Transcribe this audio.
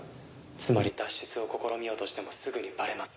「つまり脱出を試みようとしてもすぐにバレます」